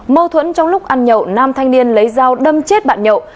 mâu thuẫn trong lúc ăn nhậu nam thanh niên lấy dao đâm chết bạn nhậu